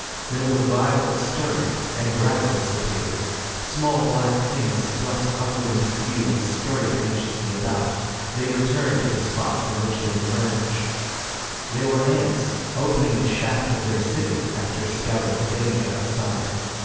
There was a violent stirring, and gravel disappeared. Small black things thrust upward into view and scurried anxiously about. They returned to the spot from which they had emerged. They were ants, opening the shaft of their city after scouting for danger outside.